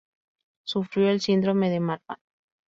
Sufrió el síndrome de Marfan.